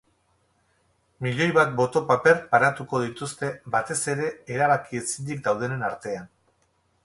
Milioi bat boto-paper banatuko dituzte, batez ere, erabaki ezinik daudenen artean.